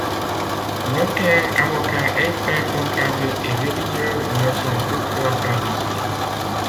Notaires, avocats, experts-comptables et réviseurs ne sont toutefois pas visés.